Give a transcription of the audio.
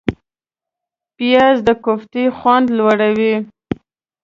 پیاز د کوفتې خوند لوړوي